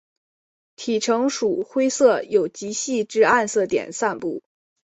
体成鼠灰色有极细之暗色点散布。